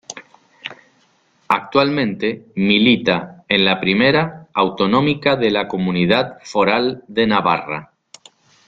Actualmente milita en la Primera Autonómica de la Comunidad Foral de Navarra.